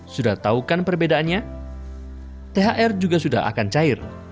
sudah memutuskan membeli parcel atau hampers untuk lebaran nanti